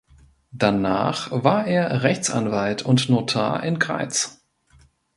Danach war er Rechtsanwalt und Notar in Greiz.